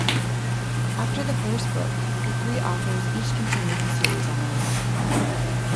After the first book, the three authors each continued the series on their own.